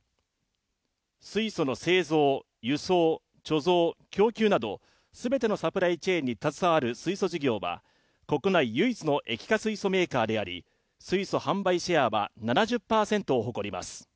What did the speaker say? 水素の製造、輸送、貯蔵、供給などすべてのサプライチェーンに携わる水素事業は国内唯一の液化水素メーカーであり、水素販売シェアは７０％を誇ります。